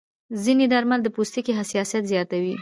ځینې درمل د پوستکي حساسیت زیاتوي.